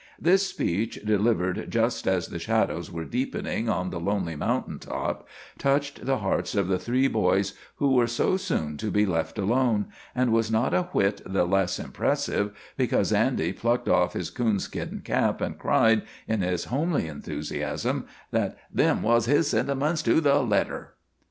This speech, delivered just as the shadows were deepening on the lonely mountain top, touched the hearts of the three boys who were so soon to be left alone, and was not a whit the less impressive because Andy plucked off his coonskin cap and cried, in his homely enthusiasm, that "them was his sentiments to the letter!"